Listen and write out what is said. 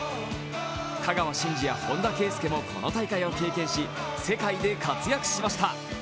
香川真司や本田圭佑もこの大会を経験し世界で活躍しました。